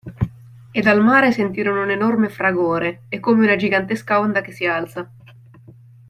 E dal mare sentirono un enorme fragore, e come una gigantesca onda che si alza.